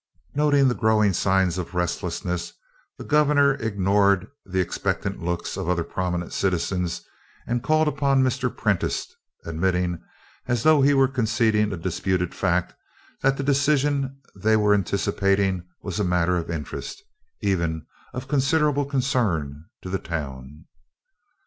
Noting the growing signs of restlessness, the Gov'nor ignored the expectant looks of other prominent citizens and called upon Mr. Prentiss, admitting, as though he were conceding a disputed fact, that the decision they were anticipating was a matter of interest even of considerable concern to the town.